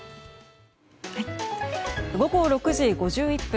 午後６時５１分。